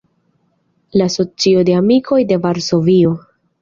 La Socio de Amikoj de Varsovio.